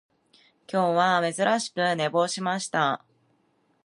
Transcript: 今日は珍しく寝坊しました